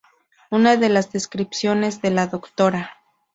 Una de las descripciones de la Dra.